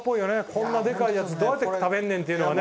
こんなでかいやつどうやって食べんねんっていうのはね。